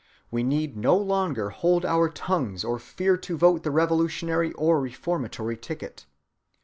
We need no longer hold our tongues or fear to vote the revolutionary or reformatory ticket.